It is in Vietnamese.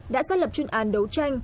đã xác lập chuyên án đấu tranh